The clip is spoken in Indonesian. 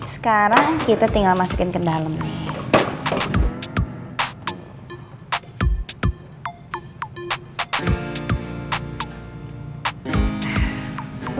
sekarang kita tinggal masukin ke dalam nih